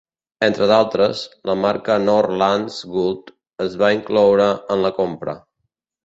Entre d'altres, la marca Norrlands Guld es va incloure en la compra.